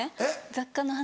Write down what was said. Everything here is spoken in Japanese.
雑貨の話。